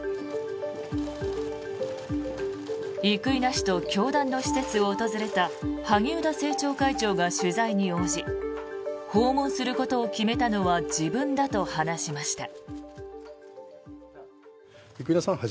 生稲氏と教団の施設を訪れた萩生田政調会長が取材に応じ訪問することを決めたのは自分だと話しました。